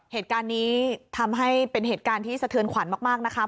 เหตุการณ์นี้ทำให้เป็นเหตุการณ์ที่สะเทือนขวัญมากนะคะ